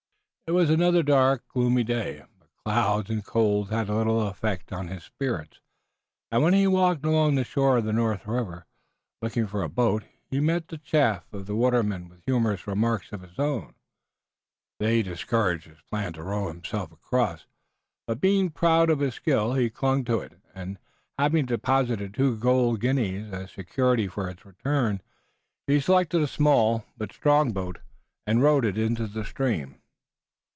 It was another dark, gloomy day, but clouds and cold had little effect on his spirits, and when he walked along the shore of the North River, looking for a boat, he met the chaff of the watermen with humorous remarks of his own. They discouraged his plan to row himself across, but being proud of his skill he clung to it, and, having deposited two golden guineas as security for its return, he selected a small but strong boat and rowed into the stream.